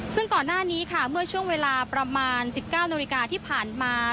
ซึ่งก่อนหน้านี้ค่ะเมื่อช่วงเวลาประมาณ๑๙นาฬิกาที่ผ่านมา